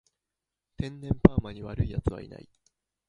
天然パーマに悪い奴はいない